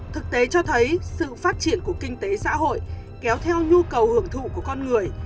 thực tế cho thấy sự phát triển của kinh tế xã hội kéo theo nhu cầu hưởng thụ của con người